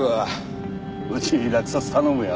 うちに落札頼むよ。